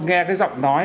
nghe cái giọng nói